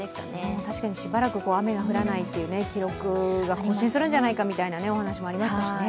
確かにしばらく雨が降らないという記録が更新するんじゃないかみたいなお話もありましたしね。